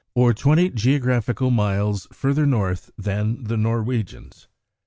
or twenty geographical miles further north than the Norwegians.